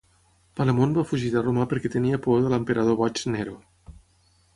Palemon va fugir de Roma perquè tenia por de l'emperador boig Nero.